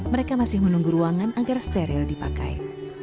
mereka masih menunggu ruangan agar steril dipakai